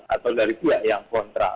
atau dari pihak yang kontrak